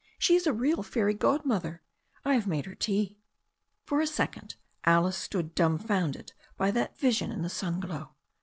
She is a real fairy godmother. I have made her tea." For a second Alice stood dumbfounded by that vision in the sunglow.